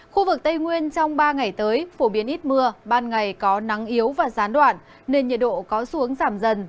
khu vực tây nguyên trong ba ngày tới phổ biến ít mưa ban ngày có nắng yếu và gián đoạn nên nhiệt độ có xuống giảm dần